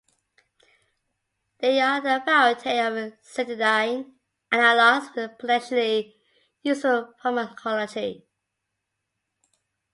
There are a variety of cytidine analogues with potentially useful pharmacology.